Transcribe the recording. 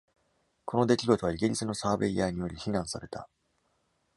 この出来事はイギリスのサーベイヤーにより非難された。